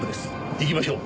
行きましょう。